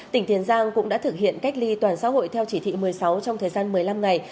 tỉnh tiền giang cũng đã thực hiện cách ly toàn xã hội theo chỉ thị một mươi sáu trong thời gian một mươi năm ngày